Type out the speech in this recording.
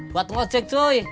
buat ngecek cuy